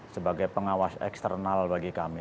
sebagai pengawas eksternal bagi kami